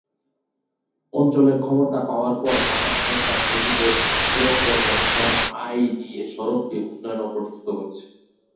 অঞ্চলের ক্ষমতা পাওয়ার পর হামাস সরকার নিজেদের সুড়ঙ্গ ব্যবসার আয় দিয়ে সড়কটি উন্নয়ন ও প্রশস্ত করেছে।